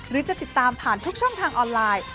หรือจะติดตามผ่านทุกช่องทางออนไลน์